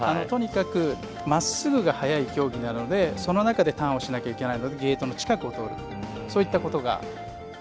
とにかくまっすぐが速い競技なのでその中でターンをしなければいけないのでゲートの近くを通るそういったことが。